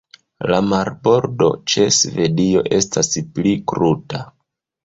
La marbordo ĉe Svedio estas pli kruta.